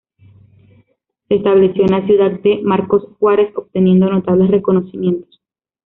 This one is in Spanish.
Se estableció en la ciudad de Marcos Juárez, obteniendo notables reconocimientos.